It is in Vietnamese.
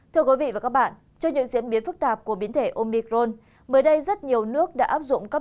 trong những diễn biến phức tạp của biến thể omicron mới đây rất nhiều nước đã áp dụng các